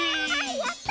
やった！